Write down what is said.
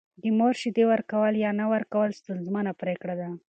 د مور شیدې ورکول یا نه ورکول ستونزمنه پرېکړه ده.